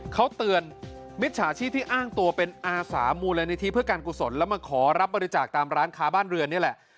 เขาเตือนมิจฉาชีพที่อ้างตัวเป็นอาสามูลนิธิเพื่อการกุศลแล้วมาขอรับบริจาคตามร้านค้าบ้านเรือนนี่แหละ